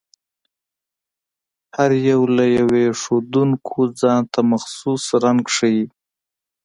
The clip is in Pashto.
هر یو له دې ښودونکو ځانته مخصوص رنګ ښيي.